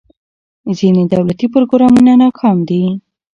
ځینې دولتي پروګرامونه ناکام دي.